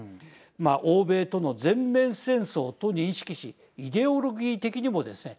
欧米との全面戦争と認識しイデオロギー的にもですね